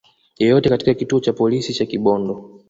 yoyote katika kituo cha polisi cha Kibondo